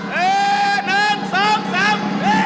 หนึ่งสองสาม